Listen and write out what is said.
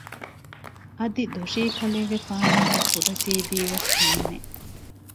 އަދި ދޮށީކަލޭގެފާނުންގެ ކުޑަސީދީ ވެސް ހިމެނެ